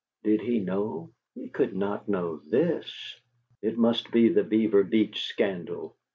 Did he know? He could not know THIS! It must be the Beaver Beach scandal.